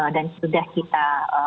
dan sudah kita